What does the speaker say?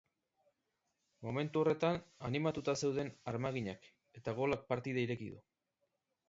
Momentu horretan, animatuta zeuden armaginak, eta golak partida ireki du.